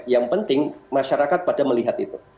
yang penting masyarakat pada melihat itu